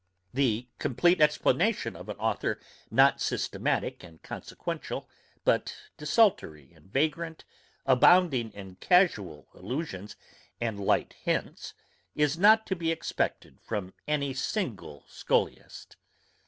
The compleat explanation of an authour not systematick and consequential, but desultory and vagrant, abounding in casual allusions and light hints, is not to be expected from any single scholiast.